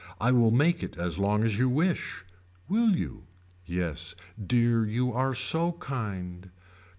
I will make it as long as you wish. Will you. Yes. Dear you are so kind.